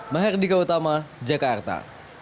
maher dika utama jakarta